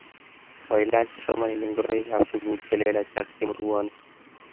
koilach kipsomaninik ngoroikab sukul che lelach ak che murwoni.